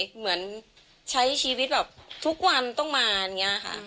เหมือนใช้ชีวิตแบบทุกวันต้องมาอย่างนี้ค่ะ